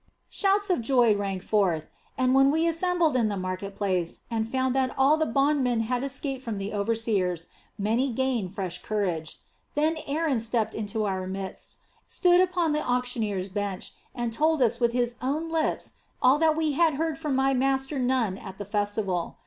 "Shouts of joy rang forth and, when we assembled in the market place and found that all the bondmen had escaped from the overseers, many gained fresh courage. Then Aaron stepped into our midst, stood upon the auctioneer's bench, and told us with his own lips all that we had heard from my master Nun at the festival.